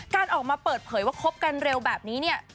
การออกมาเปิดเผยว่าคบกันเร็วแบบนี้เนี่ย